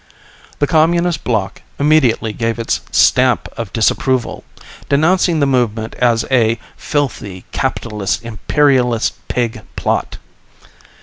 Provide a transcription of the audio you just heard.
The Communist Block immediately gave its Stamp of Disapproval, denouncing the movement as a filthy Capitalist Imperialist Pig plot.